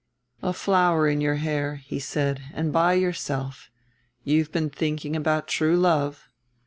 "A flower in your hair," he said, "and by yourself. You have been thinking about true love."